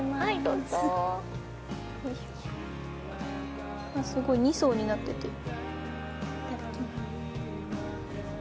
すごい、２層になってる。